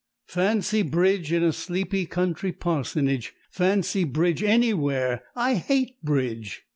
Fancy Bridge in a sleepy country Parsonage, fancy Bridge anywhere! I hate Bridge!